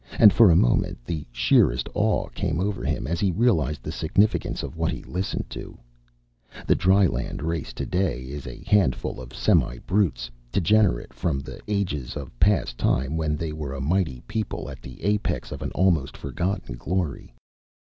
And for a moment the sheerest awe came over him, as he realized the significance of what he listened to. The dryland race today is a handful of semi brutes, degenerate from the ages of past time when they were a mighty people at the apex of an almost forgotten glory.